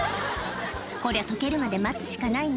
こりゃ溶けるまで待つしかないね